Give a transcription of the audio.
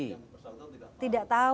yang bersangkutan tidak tahu